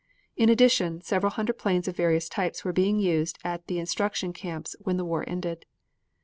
In addition, several hundred planes of various types were being used at the instruction camps when the war ended.